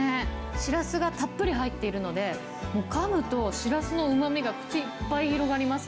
シラスがたっぷり入っているので、かむと、シラスのうまみが口いっぱい広がります。